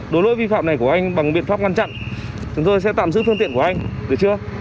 đối lỗi vi phạm này của anh bằng biện pháp ngăn chặn chúng tôi sẽ tạm giữ phương tiện của anh từ trước